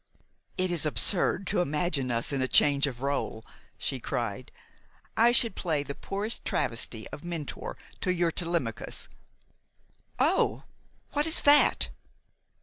"It is absurd to imagine us in a change of rôle," she cried. "I should play the poorest travesty of Mentor to your Telemachus. Oh! What is that?"